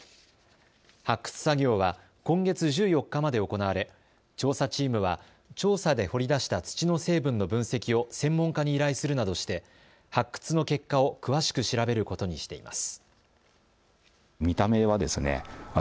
発掘作業は今月１４日まで行われ調査チームは調査で掘り出した土の成分の分析を専門家に依頼するなどして発掘の結果を詳しく調べることにしています。